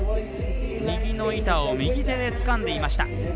右の板を右手でつかんでいました。